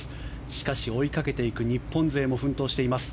しかし、追いかけていく日本勢も奮闘しています。